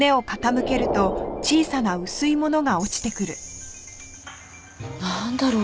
なんだろう？